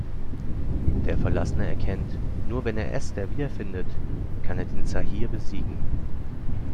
Der Verlassene erkennt, nur wenn er Esther wiederfindet, kann er den Zahir besiegen.